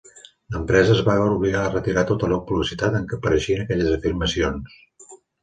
L'empresa es va veure obligada a retirar tota la publicitat en què apareixien aquelles afirmacions.